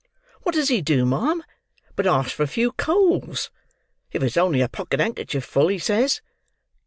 What does he do, ma'am, but ask for a few coals; if it's only a pocket handkerchief full, he says!